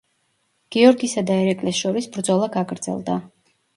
გიორგისა და ერეკლეს შორის ბრძოლა გაგრძელდა.